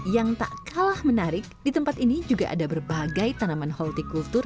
yang tak kalah menarik di tempat ini juga ada berbagai tanaman holti kultur